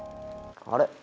あれ？